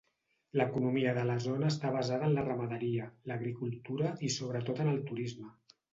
L'economia de la zona està basada en la ramaderia, l'agricultura i sobretot en el turisme.